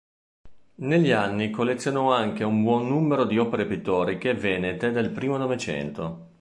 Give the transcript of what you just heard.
Negli anni collezionò anche un buon numero di opere pittoriche venete del primo Novecento.